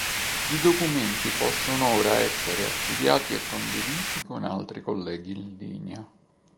I documenti possono ora essere archiviati e condivisi con altri colleghi in linea.